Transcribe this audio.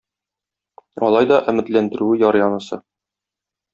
Алай да өметләндерүе ярый анысы.